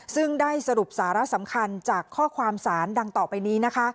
ซึ่งได้สรุปสาระสำคัญจากข้อความสารดังต่อไปนี้นะคะ